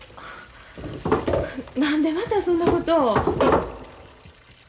何でまたそんなこと。